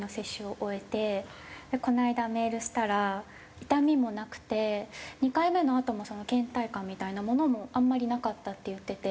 この間メールしたら痛みもなくて２回目のあとも倦怠感みたいなものもあんまりなかったって言ってて。